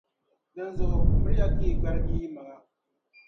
Dinzuɣu, miri ya ka yi gbargi yi maŋa,